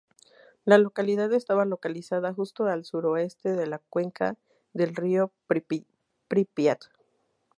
La localidad estaba localizada justo al suroeste de la cuenca del río Prípiat.